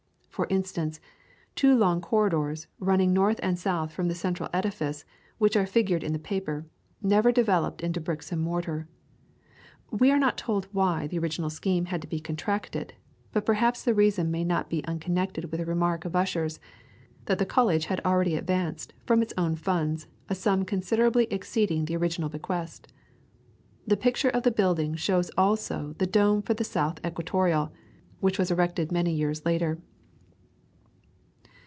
For instance, two long corridors, running north and south from the central edifice, which are figured in the paper, never developed into bricks and mortar. We are not told why the original scheme had to be contracted; but perhaps the reason may be not unconnected with a remark of Ussher's, that the College had already advanced from its own funds a sum considerably exceeding the original bequest. The picture of the building shows also the dome for the South equatorial, which was erected many years later.